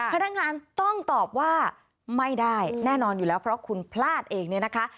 พนักงานต้องตอบว่าไม่ได้แน่นอนอยู่แล้วเพราะคุณพลาดเองเนี่ยนะคะ